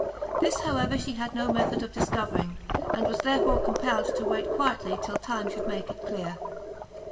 This, however, she had no method of discovering, and was therefore compelled to wait quietly till time should make it clear.